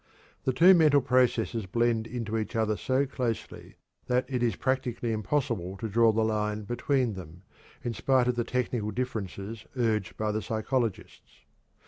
The two mental processes blend into each other so closely that it is practically impossible to draw the line between them, in spite of the technical differences urged by the psychologists.